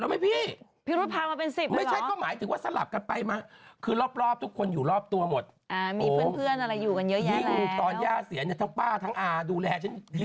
ไม่ต้องมาทั้งป้าอาสลับกันมาอยู่เป็นเพื่อนฉันเรียบร้อยแล้ว